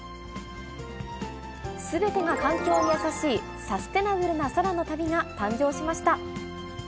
すべてが環境に優しいサステナブルな空の旅が誕生しました。